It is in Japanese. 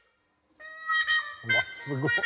うわっすごっ！